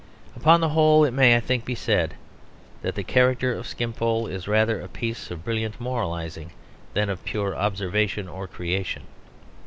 Upon the whole it may, I think, be said that the character of Skimpole is rather a piece of brilliant moralising than of pure observation or creation.